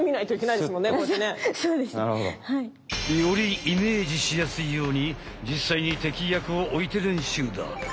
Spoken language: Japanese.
なるほど。よりイメージしやすいように実際に敵役をおいて練習だ。